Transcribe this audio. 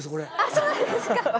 そうなんですか。